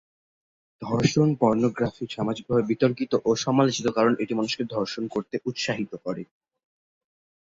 ধর্ষণ পর্নোগ্রাফি সামাজিকভাবে বিতর্কিত ও সমালোচিত কারণ এটি মানুষকে ধর্ষণ করতে উৎসাহিত করে।